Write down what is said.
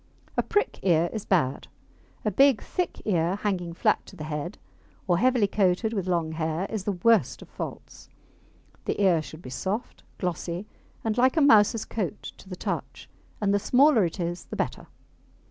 A prick ear is bad. A big, thick ear, hanging flat to the head, or heavily coated with long hair, is the worst of faults. The ear should be soft, glossy, and like a mouse's coat to the touch, and the smaller it is the better.